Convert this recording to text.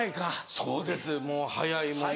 そうですもう早いもんで。